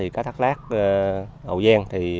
cá thác lát hậu giang